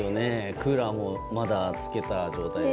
クーラーもまだつけた状態です。